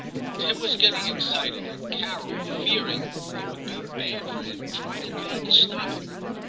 * Tim was getting excited, and Carol, fearing it would be bad for him, tried in vain to stop him.